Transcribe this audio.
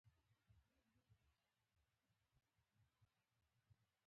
ما ورته وویل: ولې؟ لطفاً، چې لاسونه مې را پرېږدي.